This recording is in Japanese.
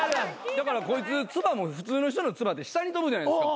だからこいつ唾も普通の人の唾って下に飛ぶじゃないですか。